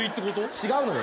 違うのよ。